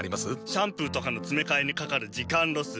シャンプーとかのつめかえにかかる時間ロス。